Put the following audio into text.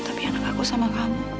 tapi anak aku sama kamu